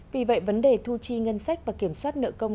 vì vậy vấn đề thu chi ngân sách và kiểm soát nợ công